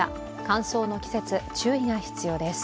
乾燥の季節、注意が必要です。